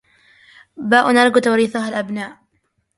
باءُ نرجو توريثَها الأبناءَ